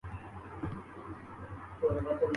کسان اور حکومت کے درمیان واحد چیز کارڈ ہوگی